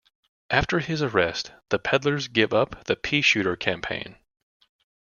After his arrest, the peddlers give up the Pea-Shooter Campaign.